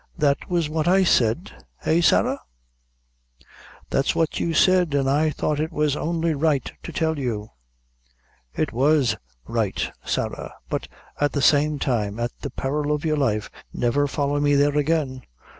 "That was what I said? eh, Sarah?" "That's what you said, an' I thought it was only right to tell you." "It was right, Sarah; but at the same time, at the peril of your life, never folly me there again.